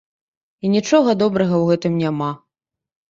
І нічога добрага ў гэтым няма.